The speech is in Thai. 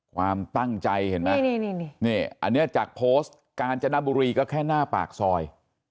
ความตั้งใจเห็นไหมนี่อันนี้จากโพสต์กาญจนบุรีก็แค่หน้าปากซอย